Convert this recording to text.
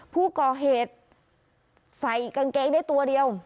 ผู้ก่อเหตุใส่กางเกงได้ตัวเดียว